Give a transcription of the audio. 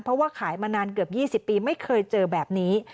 เพราะว่าขายมานานเกือบ๒๐ปีไม่เคยเจอแบบนี้